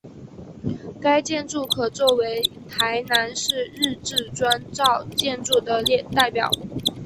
该建筑可做为台南市日治砖造建筑的代表。